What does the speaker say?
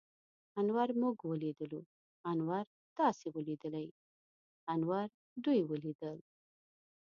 انور موږ وليدلو. انور تاسې وليدليٙ؟ انور دوی وليدل.